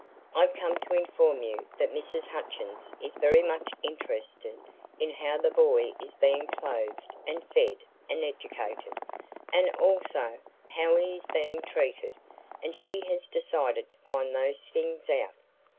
"I come to inform you that Mrs. Hutchins is very much interested in how the boy is being clothed and fed and educated, and also how he is being treated, and she has decided to find those things out."